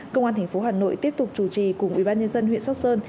công an thành phố hà nội tiếp tục chủ trì cùng ủy ban nhân dân huyện sóc sơn